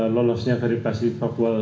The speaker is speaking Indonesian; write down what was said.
lolosnya verifikasi faktual